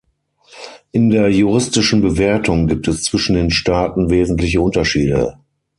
In der juristischen Bewertung gibt es zwischen den Staaten wesentliche Unterschiede.